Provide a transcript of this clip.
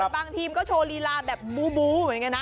บางทีมก็โชว์ลีลาแบบบูเหมือนกันนะ